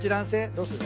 どうする？